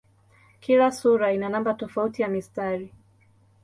Kila sura ina namba tofauti ya mistari.